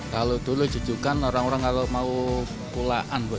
kalau dulu jujukan orang orang kalau mau pulaan